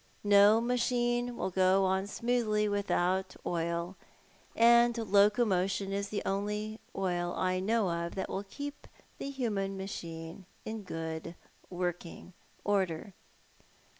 No machine will go on smoothly without oil — and locomotion is the only oil I know of that will keep the human machine in good working order.